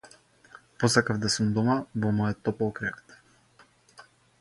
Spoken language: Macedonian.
Посакав да сум дома во мојот топол кревет.